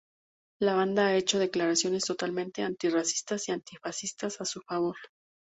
La banda ha hecho declaraciones totalmente anti-racistas y anti-fascistas a su favor.